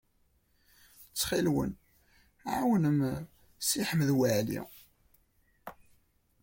Ttxil-wen, ɛawnem Si Ḥmed Waɛli.